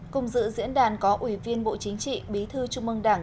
cùng dự diễn đàn có ủy viên bộ chính trị bí thư trung mương đảng